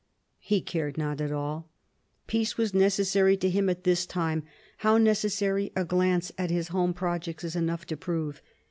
He cared not at all. Peace was necessary to him at this time : how necessary, a glance at his home projects is enough to prove.